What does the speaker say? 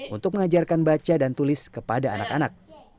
untuk mengajarkan baca dan tulis kepada anak anak